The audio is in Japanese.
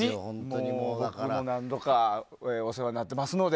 僕も何度かお世話になってますので。